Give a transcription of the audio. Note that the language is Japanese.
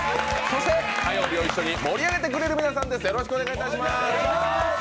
そして火曜日を一緒に盛り上げてくれる皆さんです。